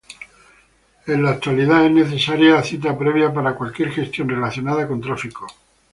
En la actualidad, es necesaria cita previa para cualquier gestión relacionada con Tráfico.